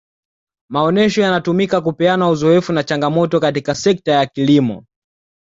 maonesho yanatumika kupeana uzoefu na changamoto katika sekta ya kilimo